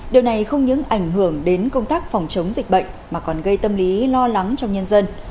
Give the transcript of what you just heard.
điều này không những ảnh hưởng đến công tác phòng chống dịch bệnh mà còn gây tâm lý lo lắng trong nhân dân